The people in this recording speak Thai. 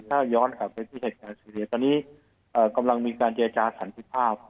ถ้าย้อนกลับไปที่เหตุการณ์เฉลี่ยตอนนี้กำลังมีการเจรจาขันติภาพ